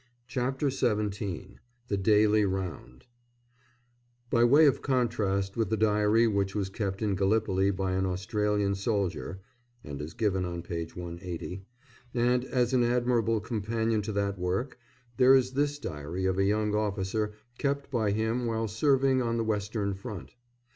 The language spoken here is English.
CHAPTER XVII THE DAILY ROUND [By way of contrast with the diary which was kept in Gallipoli by an Australian soldier, and is given on page 180, and as an admirable companion to that work, there is this diary of a young officer, kept by him while serving on the Western Front.